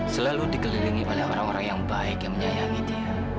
selalu dikelilingi oleh orang orang yang baik yang menyayangi dia